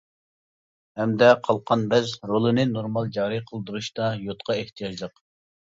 ھەمدە قالقان بەز رولىنى نورمال جارى قىلدۇرۇشتا يودقا ئېھتىياجلىق.